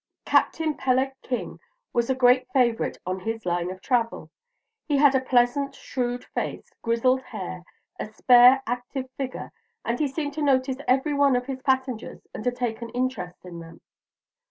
Captain Peleg King was a great favorite on his line of travel. He had a pleasant, shrewd face, grizzled hair, a spare, active figure; and he seemed to notice every one of his passengers and to take an interest in them.